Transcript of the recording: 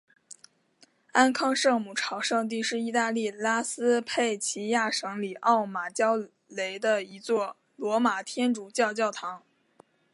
安康圣母朝圣地是意大利拉斯佩齐亚省里奥马焦雷的一座罗马天主教教堂。